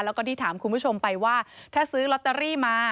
แล้วก็ที่ถามคุณผู้ชมไปว่าถ้าซื้อลอตเตอรี่มา